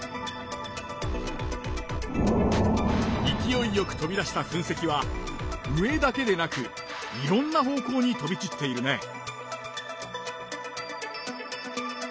いきおいよく飛び出した噴石は上だけでなくいろんな方向に飛び散っているね。